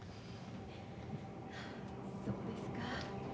そうですか。